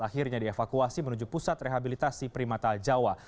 akhirnya dievakuasi menuju pusat rehabilitasi primata jawa